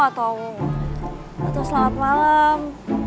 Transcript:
atau selamat malam